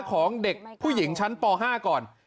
ของเด็กผู้หญิงชั้นป๕ก่อน